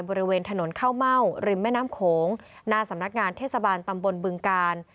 บริเวณถนนข้าวเม่าริมแม่น้ำโขงหน้าสำนักงานเทศบาลตำบลบึงกาล